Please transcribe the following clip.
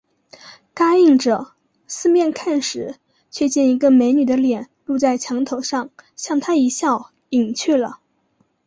答应着，四面看时，却见一个美女的脸露在墙头上，向他一笑，隐去了